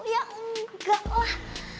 ya enggak lah